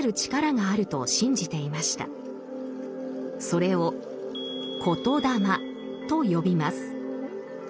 それを「言霊」と呼びます。